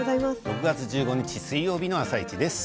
６月１５日水曜日の「あさイチ」です。